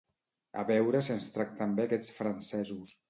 A veure si ens tracten bé aquests francesos!